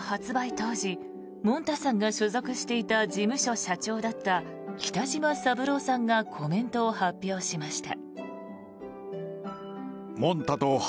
当時もんたさんが所属していた事務所社長だった北島三郎さんがコメントを発表しました。